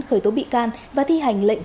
khởi tố bị can và thi hành lệnh